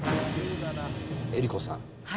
江里子さん。